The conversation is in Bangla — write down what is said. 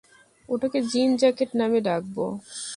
ওটাকে জিন জ্যাকেট নামে ডাকবো।